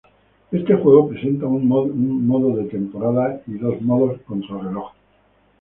Este juego presenta un modo de temporada y dos modos contrarreloj.